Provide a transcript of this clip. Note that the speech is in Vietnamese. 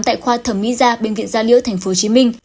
tại khoa thẩm mỹ da bệnh viện da liễu tp hcm